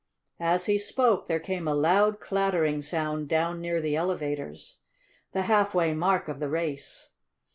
As he spoke there came a loud clattering sound down near the elevators the halfway mark of the race.